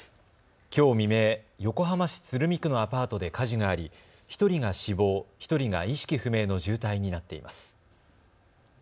きょう未明、横浜市鶴見区のアパートで火事があり１人が死亡、１人が意識不明の重体になっています。